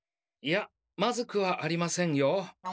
いやまずくはありませんよ。